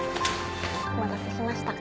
お待たせしました。